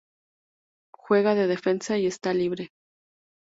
Juega de defensa y esta libre.